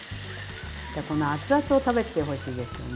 でこの熱々を食べてほしいですよね。